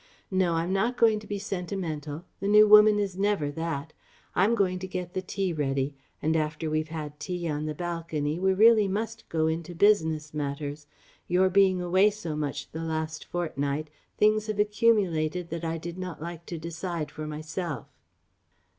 No, I'm not going to be sentimental the New Woman is never that. I'm going to get the tea ready; and after we've had tea on the balcony we really must go into business matters. Your being away so much the last fortnight, things have accumulated that I did not like to decide for myself..."